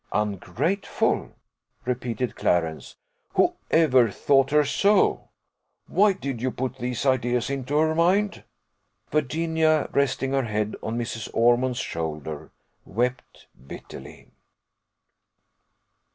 "Ungrateful!" repeated Clarence; "who ever thought her so? Why did you put these ideas into her mind?" Virginia, resting her head on Mrs. Ormond's shoulder, wept bitterly.